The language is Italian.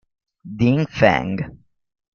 Ding Feng